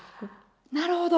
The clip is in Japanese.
なるほど。